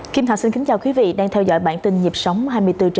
kim thảo xin kính chào quý vị đang theo dõi bản tin nhịp sóng hai mươi bốn h bảy